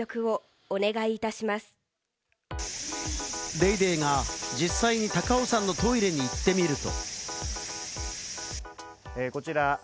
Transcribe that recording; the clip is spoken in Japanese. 『ＤａｙＤａｙ．』が実際に高尾山のトイレに行ってみると。